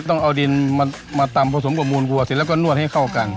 ต้องเอาดินมาตำผสมกับมูลวัวเสร็จแล้วก็นวดให้เข้ากัน